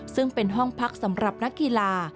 ซึ่งเป็นห้องพักสำหรับนักกีฬา